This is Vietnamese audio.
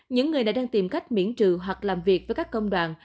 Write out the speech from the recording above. những người đã đang tìm cách miễn trừ hoặc làm việc với các công đoàn